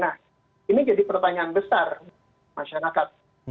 nah ini jadi pertanyaan besar masyarakat